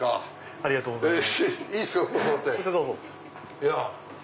ありがとうございます。